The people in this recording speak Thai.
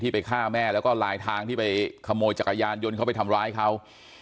ไปฆ่าแม่แล้วก็ลายทางที่ไปขโมยจักรยานยนต์เขาไปทำร้ายเขา